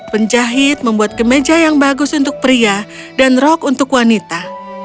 penjahit membuat kemeja yang bagus untuk pria dan rok untuk wanita